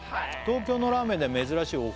東京のラーメンでは珍しいお麩は」